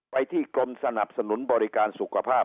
ไปที่กรมสนับสนุนบริการสุขภาพ